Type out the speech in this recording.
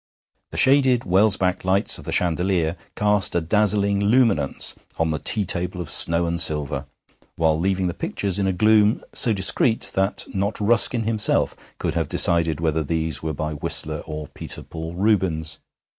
The shaded Welsbach lights of the chandelier cast a dazzling luminance on the tea table of snow and silver, while leaving the pictures in a gloom so discreet that not Ruskin himself could have decided whether these were by Whistler or Peter Paul Rubens.